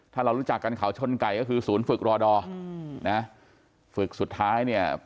ถ้าเรารู้จักกันเขาชนไก่ก็คือศูนย์ฝึกรอดอร์นะฝึกสุดท้ายเนี่ย